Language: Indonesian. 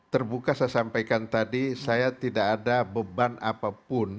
terbuka saya sampaikan tadi saya tidak ada beban apapun